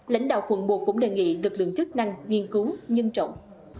lãnh đạo quận một cũng đề nghị lực lượng chức năng nghiên cứu nhân trọng